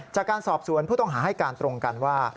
จากการสอบสวนผู้ต้องหาให้การตรงกันว่า